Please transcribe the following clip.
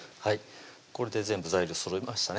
これで全部材料そろいましたね